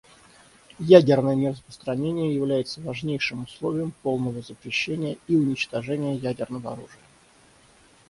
Ядерное нераспространение является важнейшим условием полного запрещения и уничтожения ядерного оружия.